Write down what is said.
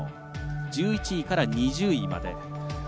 １１位から２０位までです。